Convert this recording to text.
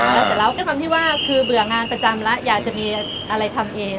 แล้วเสร็จแล้วด้วยความที่ว่าคือเบื่องานประจำแล้วอยากจะมีอะไรทำเอง